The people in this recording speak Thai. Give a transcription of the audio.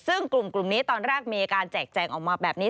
ซึ่งกลุ่มนี้ตอนแรกมีการแจกแจงออกมาแบบนี้